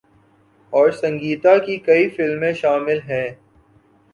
اور سنگیتا کی کئی فلمیں شامل ہیں۔